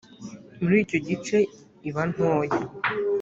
muri icyo gice iba ntoya